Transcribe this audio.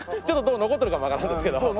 ちょっと銅残ってるかもわからないですけど。